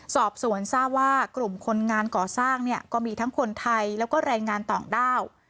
สอบสวนทราบว่ากลุ่มคนงานก่อสร้างเนี่ยก็มีทั้งคนไทยแล้วก็แรงงานต่างด้าว